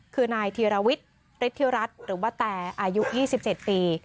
คือนายธีรวิทย์ฤทธิรัฐหรือว่าแต่อายุ๒๗ปี